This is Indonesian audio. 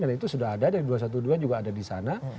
dan itu sudah ada dari dua ratus dua belas juga ada di sana